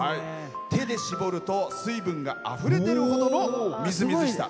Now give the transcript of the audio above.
手でしぼると水分があふれ出るほどのみずみずしさ。